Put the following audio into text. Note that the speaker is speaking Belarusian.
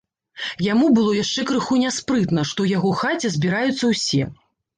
Яму было яшчэ крыху няспрытна, што ў яго хаце збіраюцца ўсе.